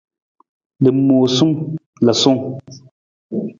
Lamoosam lasung.